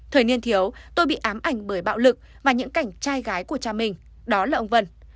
thời niên thiếu tôi bị ám ảnh bởi bạo lực và những cảnh trai gái của cha mình đó là ông vân